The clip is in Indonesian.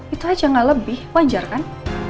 itu aja nggak lebih wajar kan